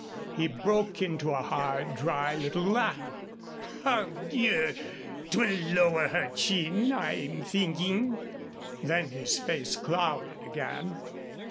He broke into a hard, dry little laugh. "Pardieu! 'twill lower her chin, I'm thinking." Then his face clouded again.